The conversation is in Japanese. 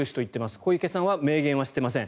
小池さんは明言していません。